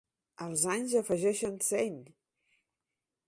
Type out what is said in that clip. Els anys afegeixen seny!